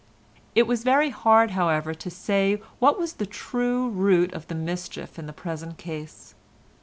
It was very hard, however, to say what was the true root of the mischief in the present case.